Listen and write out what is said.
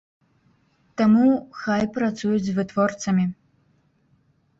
Таму, хай працуюць з вытворцамі.